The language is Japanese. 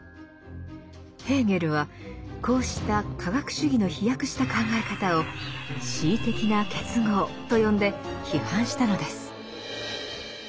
ヘーゲルはこうした科学主義の飛躍した考え方を「恣意的な結合」と呼んで批判したのです。